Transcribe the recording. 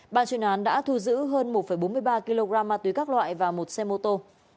ban chuyên án đã thu giữ hơn một bốn mươi ba kg ma túy các loại và một xe mô tô